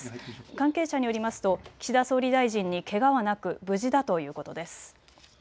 関係者によりますと岸田総理大臣にけがはなく無事だということです。